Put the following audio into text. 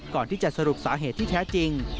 ก่อนที่จะสรุปสาเหตุที่แท้จริง